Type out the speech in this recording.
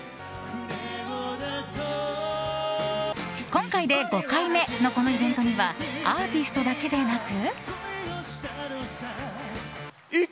今回で５回目のこのイベントにはアーティストだけでなく。